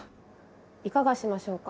いかがしましょうか？